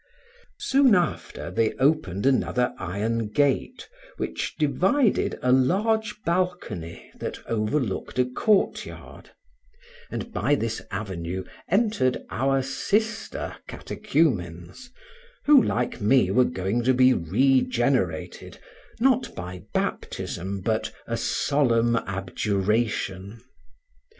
Soon after they opened another iron gate, which divided a large balcony that overlooked a court yard, and by this avenue entered our sister catechumens, who, like me, were going to be regenerated, not by baptism but a solemn abjuration.